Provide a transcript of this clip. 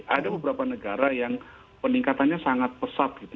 ada beberapa negara yang peningkatannya sangat pesat gitu